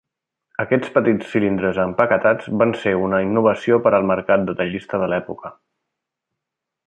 Aquests petits cilindres empaquetats van ser una innovació per al mercat detallista de l'època.